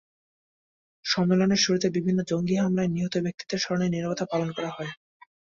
সম্মেলনের শুরুতে বিভিন্ন জঙ্গি হামলায় নিহত ব্যক্তিদের স্মরণে নীরবতা পালন করা হয়।